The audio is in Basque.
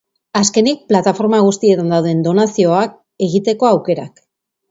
Azkenik, plataforma guztietan daude donazioak egiteko aukerak.